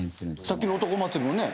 さっきの男祭りもね